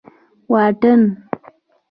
واټن